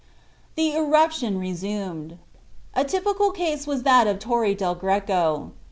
THE ERUPTION RESUMED. A typical case was that of Torre del Greco.